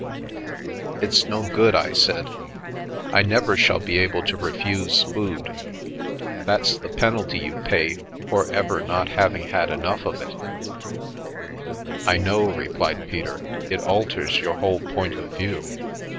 " It's no good/' I said, M I never shall be able to re fuse food. That's the penalty you pay for ever not hav ing had enough of it" " I know/ 9 replied Peter, " it alters your whole point of view.